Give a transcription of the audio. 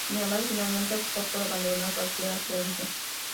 Sin embargo, finalmente optó por abandonar cualquier creencia.